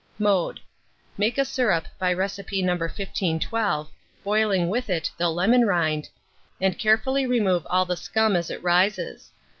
Mode. Make a syrup by recipe No. 1512, boiling with it the lemon rind, and carefully remove all the scum as it rises.